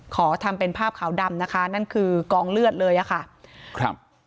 ขอทำเป็นภาพขาวดำนะคะนั่นคือกองเลือดเลยอ่ะค่ะครับ